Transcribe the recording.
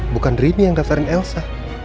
bukan rini yang daftarin elsa